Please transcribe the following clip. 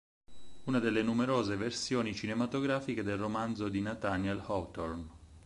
Una delle numerose versioni cinematografiche del romanzo di Nathaniel Hawthorne.